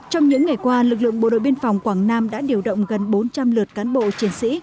trong những ngày qua lực lượng bộ đội biên phòng quảng nam đã điều động gần bốn trăm linh lượt cán bộ chiến sĩ